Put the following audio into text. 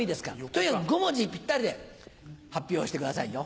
とにかく５文字ぴったりで発表してくださいよ。